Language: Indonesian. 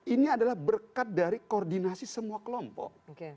ini adalah berkat dari koordinasi semua kelompok